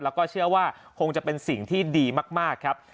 แล้วก็เชื่อว่าคงจะเป็นสิ่งที่ดีมากครับ